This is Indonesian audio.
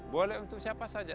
boleh untuk siapa saja